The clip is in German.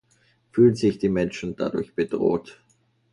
Fühlen sich die Menschen dadurch bedroht?